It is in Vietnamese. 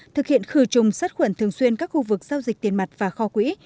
thực hiện khử trùng sát khuẩn thường xuyên các khu vực giao dịch tiền mặt và kho quỹ